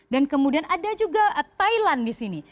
dan kemudian ada juga thailand di sini